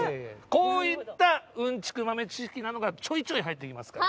こういったうんちく豆知識などがちょいちょい入ってきますから。